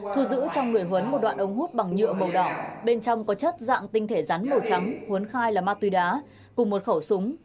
thu giữ trong người huấn một đoạn ống hút bằng nhựa màu đỏ bên trong có chất dạng tinh thể rắn màu trắng huấn khai là ma túy đá cùng một khẩu súng